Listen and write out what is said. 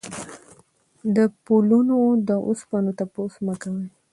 د پلونو د اوسپنو تپوس مه کوئ.